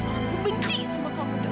aku benci sama kamu